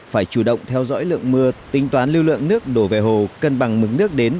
phải chủ động theo dõi lượng mưa tính toán lưu lượng nước đổ về hồ cân bằng mực nước đến